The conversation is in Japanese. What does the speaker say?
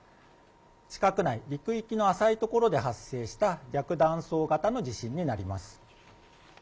地殻内、陸域の浅い所で発生した逆断層型の地震になります。